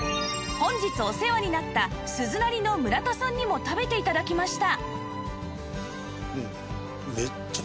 本日お世話になった鈴なりの村田さんにも食べて頂きました